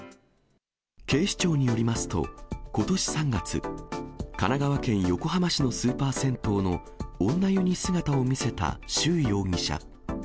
警視庁によりますと、ことし３月、神奈川県横浜市のスーパー銭湯の女湯に姿を見せた周容疑者。